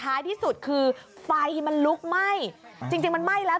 ที่สุดคือไฟมันลุกไหม้จริงจริงมันไหม้แล้ว